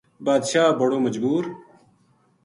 بادشاہ بڑو مجبور